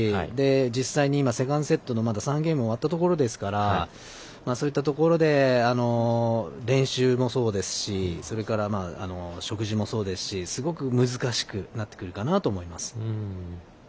実際に、セカンドセットの３ゲーム終わったところですからそういったところで練習もそうですしそれから、食事もそうですしすごく難しくなってくるかなと思います。